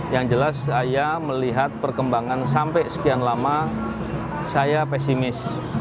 yang jelas saya melihat perkembangan sampai sekian lama saya pesimis